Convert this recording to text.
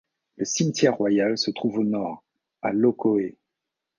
Le cimetière royal se trouve au nord, à Lokkoe.